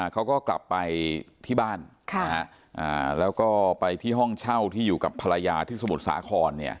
เขาก็กลับไปที่บ้านแล้วก็ไปที่ห้องเช่าที่อยู่กับภรรยาที่สมุทรสาคร